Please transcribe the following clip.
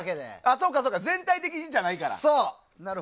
そうか、全体的にじゃないから。